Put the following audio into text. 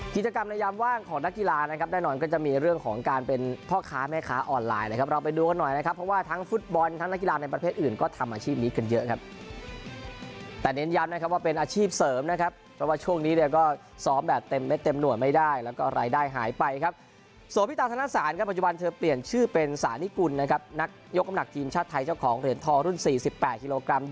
กิจกรรมในยามว่างของนักกีฬานะครับแน่นอนก็จะมีเรื่องของการเป็นพ่อค้าแม่ค้าออนไลน์นะครับเราไปดูกันหน่อยนะครับเพราะว่าทั้งฟุตบอลทั้งนักกีฬาในประเภทอื่นก็ทำอาชีพนี้กันเยอะครับแต่เน้นย้ำนะครับว่าเป็นอาชีพเสริมนะครับเพราะว่าช่วงนี้เราก็ซ้อมแบบเต็มเต็มหน่วยไม่ได้แล้วก็รายได้หายไปคร